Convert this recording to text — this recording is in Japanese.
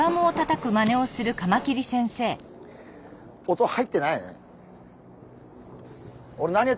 音入ってないね？